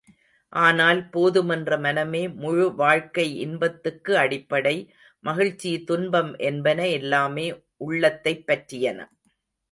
ஆனால், போதுமென்ற மனமே முழு வாழ்க்கை இன்பத்துக்கு அடிப்படை, மகிழ்ச்சி, துன்பம் என்பன எல்லாமே உள்ளத்தைப் பற்றியன.